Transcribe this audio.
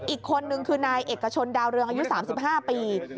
อีกคนนึงคือนายเอกชนดาวเรืองอายุ๓๕ปี